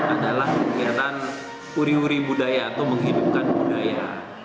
adalah kegiatan uri uri budaya atau menghidupkan budaya